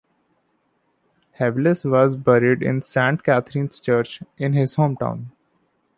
Hevelius was buried in Saint Catherine's Church in his hometown.